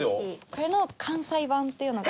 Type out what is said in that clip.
これの関西版っていうのが。